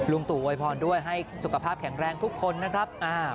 ตู่อวยพรด้วยให้สุขภาพแข็งแรงทุกคนนะครับ